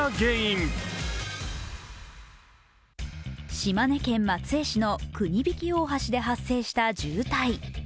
島根県松江市のくにびき大橋で発生した渋滞。